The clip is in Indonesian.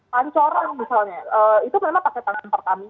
pancoran misalnya itu memang pakai tangan pertamina